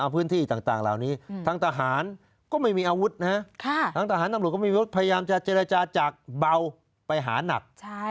พยายามจะเจรจาจากเบาไปหานัก